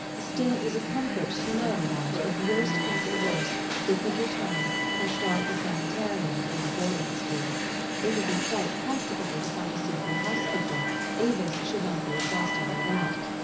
Still it was a comfort to know, that, if worst came to worst, they could return, and start the sanitarium or the boarding school. It would be quite practica ble to find a suitable housekeeper : Avis should not be exhausted by that.